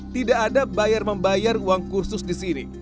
dia ada bayar membayar uang khusus di sini